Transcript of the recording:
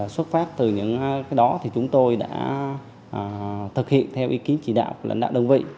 xuất phát từ những cái đó thì chúng tôi đã thực hiện theo ý kiến chỉ đạo lãnh đạo đồng vị